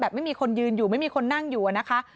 ไม่มีคนยืนอยู่ไม่มีคนนั่งอยู่อะนะคะ